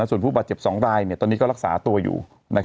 ส่วนผู้บาดเจ็บ๒รายตอนนี้ก็รักษาตัวอยู่